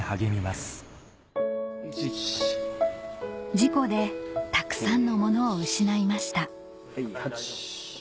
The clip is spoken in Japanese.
事故でたくさんのものを失いました